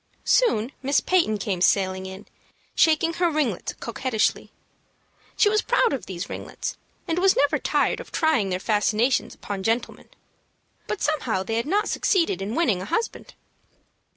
Soon Miss Peyton came sailing in, shaking her ringlets coquettishly. She was proud of these ringlets, and was never tired of trying their fascinations upon gentlemen. But somehow they had not succeeded in winning a husband.